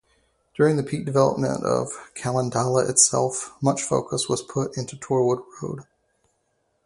During the peak development of Khandallah itself, much focus was put into Torwood Road.